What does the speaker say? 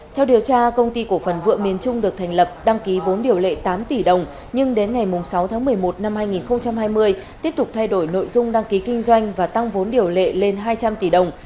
theo điều tra công ty cổ phần vượng miền trung được thành lập đăng ký vốn điều lệ tám tỷ đồng nhưng đến ngày sáu tháng một mươi một năm hai nghìn hai mươi tiếp tục thay đổi nội dung đăng ký kinh doanh và tăng vốn điều lệ lên hai trăm linh tỷ đồng